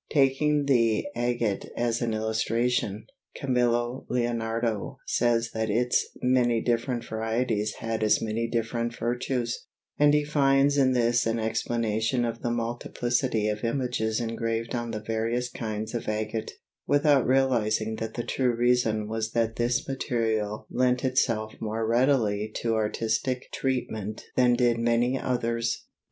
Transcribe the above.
Taking the agate as an illustration, Camillo Leonardo says that its many different varieties had as many different virtues, and he finds in this an explanation of the multiplicity of images engraved on the various kinds of agate, without realizing that the true reason was that this material lent itself more readily to artistic treatment than did many others.